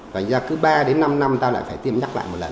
thứ ba năm năm ta lại phải tiêm nhắc lại một lần